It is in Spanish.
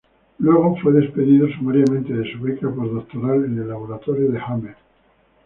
Luego fue despedido sumariamente de su beca post-doctoral en el laboratorio de Hamer.